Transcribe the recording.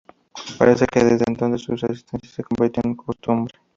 Parece que desde entonces su asistencia se convirtió en costumbre.